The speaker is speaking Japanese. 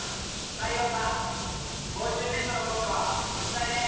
太陽さん防虫ネットの効果は絶大です。